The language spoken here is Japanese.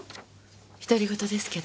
独り言ですけど。